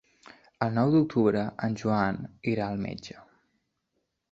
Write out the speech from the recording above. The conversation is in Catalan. El nou d'octubre en Joan irà al metge.